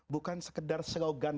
bukan sekedar slogan